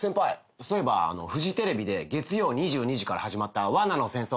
そういえばフジテレビで月曜２２時から始まった『罠の戦争』見ました？